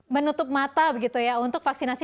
menutup mata begitu ya untuk vaksinasi